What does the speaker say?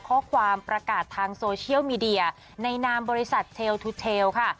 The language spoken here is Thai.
ข้อความประกาศทางโซเชียลมีเดียในนามบริษัทเทลทูเทลค่ะ